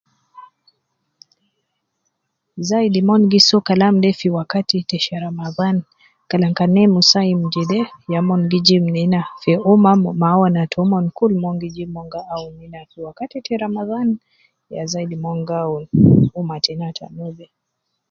Zaidi mon gi soo Kalam de fi wakati te shar Ramadhan, Kalam kan nemu saim jede ya mon gi jib nena gi umma mawana tomon kul mon gi jib mon gi awun ina fi wakati te Ramadhan ga zaidi mon gi awun umma tena ta nubi